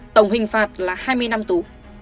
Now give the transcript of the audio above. tổng hình phạt là hai mươi năm tù